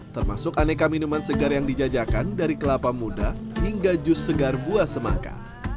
termasuk aneka minuman segar yang dijajakan dari kelapa muda hingga jus segar buah semangka